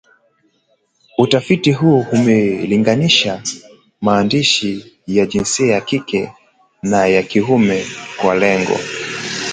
utafiti huu umelinganisha waandishi wa jinsia ya kike na ya kiume kwa lengo